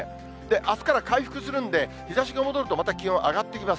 あすから回復するんで、日ざしが戻ると、また気温上がっていきます。